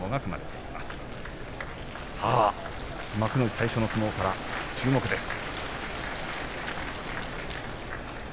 幕内最初の相撲から注目です。